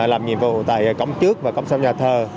làm nhiệm vụ tại cổng trước và cổng sau nhà thờ